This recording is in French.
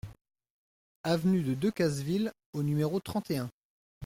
Avenue de Decazeville au numéro trente et un